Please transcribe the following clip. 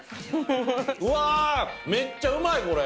うわー、めっちゃうまい、これ。